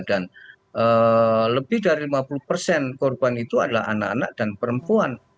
lebih dari lima puluh persen korban itu adalah anak anak dan perempuan